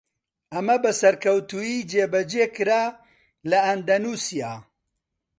ئەمە بە سەرکەوتوویی جێبەجێکرا لە ئەندەنوسیا.